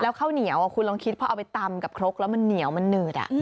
ข้าวเหนียวคุณลองคิดพอเอาไปตำกับครกแล้วมันเหนียวมันหนืด